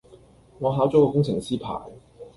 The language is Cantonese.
我考咗個工程師牌